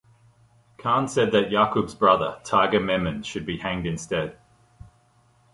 Khan said that Yakub's brother, Tiger Memon should be hanged instead.